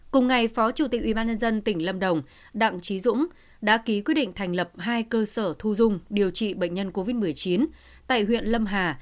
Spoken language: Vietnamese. cùng ngày phó chủ tịch ubnd tỉnh lâm đồng đặng trí dũng đã ký quyết định thành lập hai cơ sở thu dung điều trị bệnh nhân covid một mươi chín tại huyện lâm hà